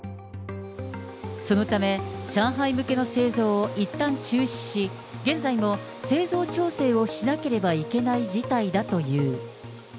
そのため、上海向けの製造をいったん中止し、現在も製造調整をしなければいけない事態だという。